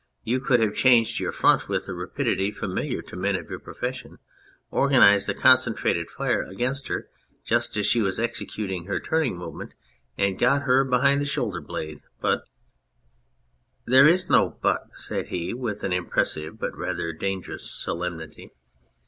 You could have changed your front with the rapidity familiar to men of your profession, organised a concentrated fire against her just as she was executing her turning movement, and got her behind the shoulder blade. But ..." "There is no 'but,'" said he, with an impressive but rather dangerous solemnity.